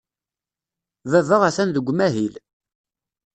Baba atan deg umahil.